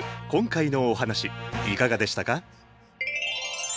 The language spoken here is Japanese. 今回のお話いかがでしたか？